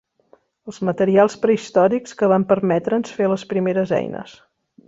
Els materials prehistòrics que van permetre'ns fer les primeres eines.